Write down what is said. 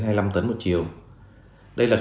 đây là các chuyến bay này